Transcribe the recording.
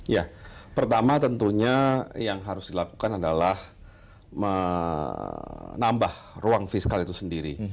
ya pertama tentunya yang harus dilakukan adalah menambah ruang fiskal itu sendiri